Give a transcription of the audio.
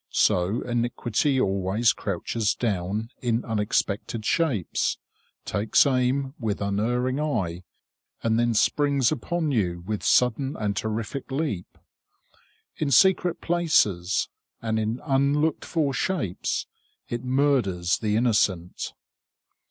So iniquity always crouches down in unexpected shapes, takes aim with unerring eye, and then springs upon you with sudden and terrific leap. In secret places and in unlooked for shapes it murders the innocent.